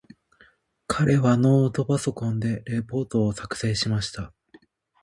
彼はノートパソコンでレポートを作成しました。